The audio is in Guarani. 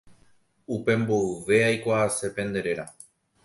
Upe mboyve aikuaase pende réra